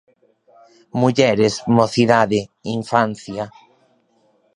Mulleres, mocidade, infancia.